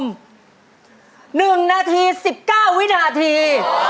ครับคุณผู้ชม๑นาที๑๙วินาที